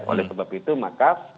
oleh sebab itu maka